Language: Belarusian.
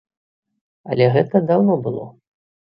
Але гэта даўно было.